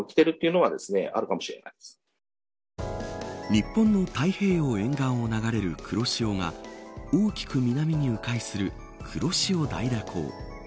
日本の太平洋沿岸を流れる黒潮が大きく南にう回する黒潮大蛇行。